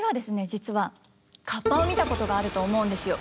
実はカッパを見たことがあると思うんですよ。